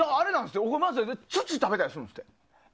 土、食べたりするんですよ。